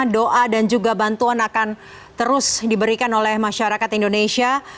doa dan juga bantuan akan terus diberikan oleh masyarakat indonesia